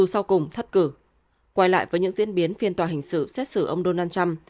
dân dù sau cùng thất cử quay lại với những diễn biến phiên tòa hình xử xét xử ông donald trump